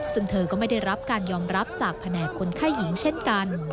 ซึ่งเธอก็ไม่ได้รับการยอมรับจากแผนกคนไข้หญิงเช่นกัน